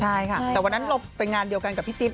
ใช่ค่ะแต่วันนั้นเราไปงานเดียวกันกับพี่จิ๊บ